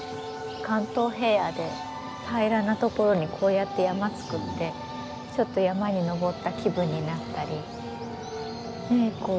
関東平野で平らな所にこうやって山作ってちょっと山に登った気分になったりね。